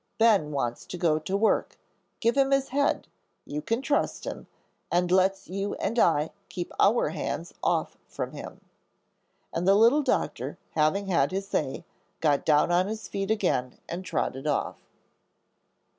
"Ben wants to go to work. Give him his head, you can trust him; and let's you and I keep our hands off from him." And the little Doctor, having said his say, got down on his feet again and trotted off.